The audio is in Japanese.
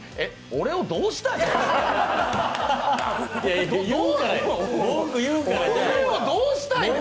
俺をどうしたいの？